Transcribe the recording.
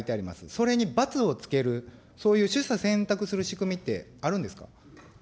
それにばつをつける、そういう取捨選択する仕組みってあるんですか。